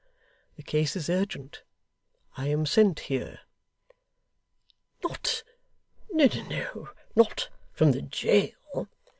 The case is urgent. I am sent here.' 'Not no, no not from the jail?